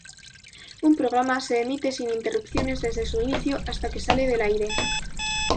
Un programa se emite sin interrupciones desde su inicio hasta que sale del aire.